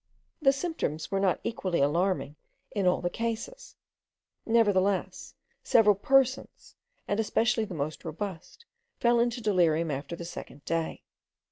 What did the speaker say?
The symptoms were not equally alarming in all the cases; nevertheless, several persons, and especially the most robust, fell into delirium after the second day.